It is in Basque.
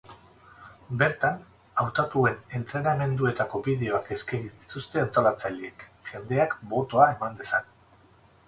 Bertan, hautatuen entrenamenduetako bideoak eskegiko dituzte antolatzaileek, jendeak botoa eman dezan.